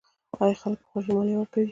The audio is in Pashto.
آیا خلک په خوښۍ مالیه ورکوي؟